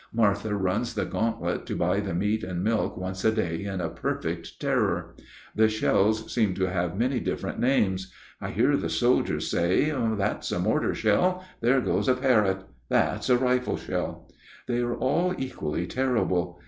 Martha runs the gauntlet to buy the meat and milk once a day in a perfect terror. The shells seem to have many different names: I hear the soldiers say, "That's a mortar shell. There goes a Parrott. That's a rifle shell." They are all equally terrible.